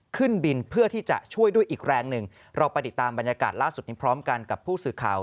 ขึ้นบินเพื่อที่จะช่วยด้วยอีกแรงหนึ่งเราไปติดตามบรรยากาศล่าสุดนี้พร้อมกันกับผู้สื่อข่าว